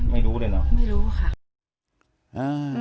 ไม่รู้ค่ะ